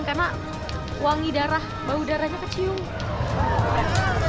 karena wangi darah bau darahnya kecium